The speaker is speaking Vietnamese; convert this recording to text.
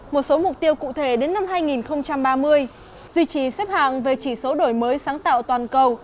một số mục tiêu cụ thể đến năm hai nghìn ba mươi duy trì xếp hạng về chỉ số đổi mới sáng tạo toàn cầu